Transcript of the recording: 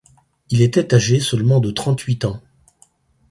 Il était âgé seulement de trente-huit ans.